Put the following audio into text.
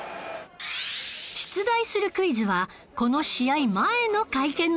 出題するクイズはこの試合前の会見の様子からです